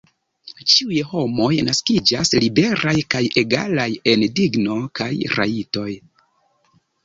Ĉiuj homoj naskiĝas liberaj kaj egalaj en digno kaj rajtoj.